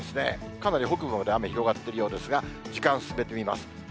かなり北部まで雨広がってるようですが、時間進めてみます。